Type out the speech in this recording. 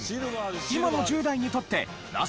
今の１０代にとってナシ？